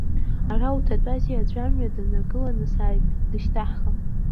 Ара уҭатәази, аӡәы амҩа даныргыланы сааит, дышьҭаҳхып.